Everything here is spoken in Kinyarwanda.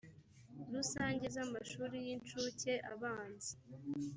rusange z amashuri y incuke abanza